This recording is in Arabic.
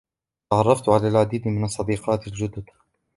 تعرفت على العديد من الصديقات الجدد.